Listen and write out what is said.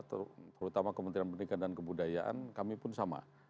terutama kementerian pendidikan dan kebudayaan kami pun sama